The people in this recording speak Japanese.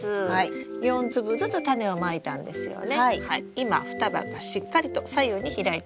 今双葉がしっかりと左右に開いています。